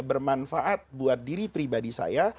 bermanfaat buat diri pribadi saya